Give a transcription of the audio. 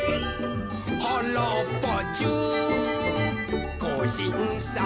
「はらっぱじゅうこうしんさ」